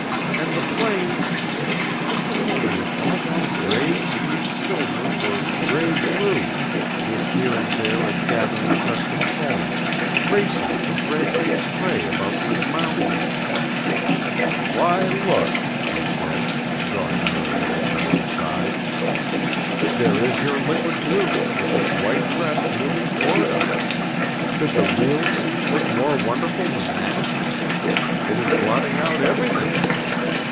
And the plains, just imagine if all that gray green silver were gray blue, with here and there a gathering crest of foam, racing to break in spray about these mountains " "Why, look," he said, drawing her a little to one side, "there is your liquid blue, with its white crest moving toward us. Could the real sea look more wonderful than that? It is blotting out everything.